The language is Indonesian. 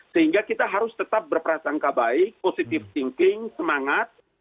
sehingga kita harus tetap berperasangka baik positif thinking semangat